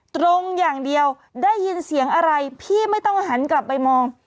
ตรงอย่างเดียวได้ยินเสียงอะไรพี่ไม่ต้องหันกลับไปมอง